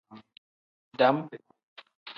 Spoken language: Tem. Dam.